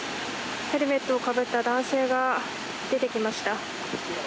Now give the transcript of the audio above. ヘルメットをかぶった男性が出てきました。